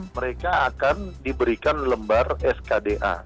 mereka akan diberikan lembar skda